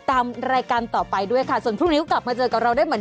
อากาศใกล้ใกล้ใจเลย